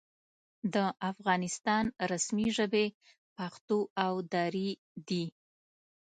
د افغانستان رسمي ژبې پښتو او دري دي.